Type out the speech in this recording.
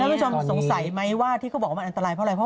คุณผู้ชมสงสัยไหมว่าที่เขาบอกว่ามันอันตรายเพราะอะไรเพราะ